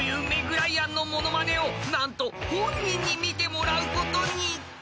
メグ・ライアンの物まねを何と本人に見てもらうことに］